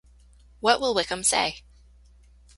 What will Wickham say?